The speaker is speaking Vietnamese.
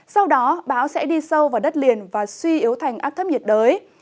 sau đó bão sẽ đi sâu vào đất liền và suy yếu thành áp thấp nhiệt đới